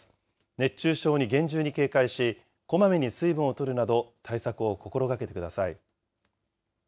熱中症に厳重に警戒し、こまめに水分をとるなど対策を心がけてください。